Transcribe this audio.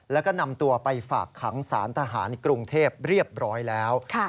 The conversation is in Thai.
แล้วก็นำตัวไปฝากขังสารทหารกรุงเทพเรียบร้อยแล้ว